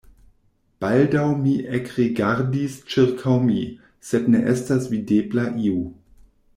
Baldaŭ mi ekrigardis ĉirkaŭ mi, sed ne estas videbla iu.